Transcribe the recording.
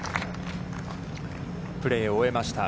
プレーを終えました。